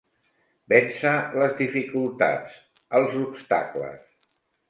Vèncer les dificultats, els obstacles.